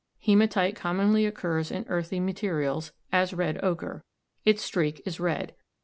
Hematite commonly occurs in earthy materials, as red ochre. Its streak is red.